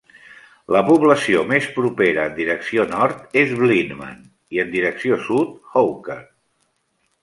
La població més propera en direcció nord és Blinman i en direcció sud, Hawker